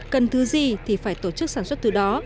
cần thứ gì thì phải tổ chức sản xuất từ đó